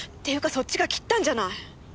そっちが切ったんじゃない。